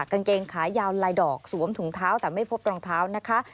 กางเกงขายาวลายดอกสวมถุงเท้าแต่ไม่พบรองเท้านะคะ